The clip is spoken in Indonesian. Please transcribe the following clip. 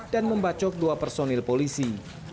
dan membacok dua personil polisi